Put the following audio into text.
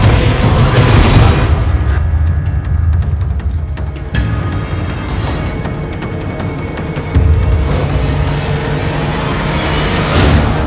dinda supang lara